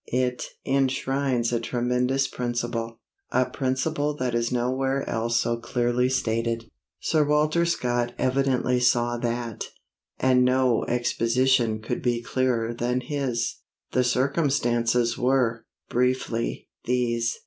It enshrines a tremendous principle, a principle that is nowhere else so clearly stated. Sir Walter Scott evidently saw that; and no exposition could be clearer than his. The circumstances were, briefly, these.